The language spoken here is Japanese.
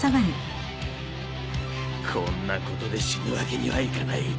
こんなことで死ぬわけにはいかない。